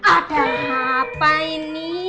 ada apa ini